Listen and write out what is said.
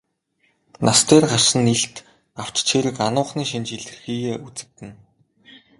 Нас дээр гарсан нь илт авч чийрэг ануухны шинж илэрхийеэ үзэгдэнэ.